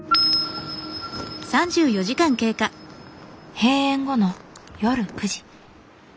閉園後の夜９時。